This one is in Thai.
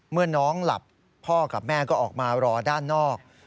เมื่อน้องหลับพ่อกับแม่ก็ออกมารอด้านนอก